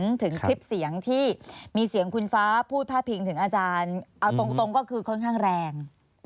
ถึงคลิปเสียงที่มีเสียงคุณฟ้าพูดพาดพิงถึงอาจารย์เอาตรงก็คือค่อนข้างแรง